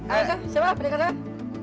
ayo siapa pendekar itu